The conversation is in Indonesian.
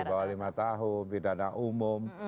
di bawah lima tahun pidana umum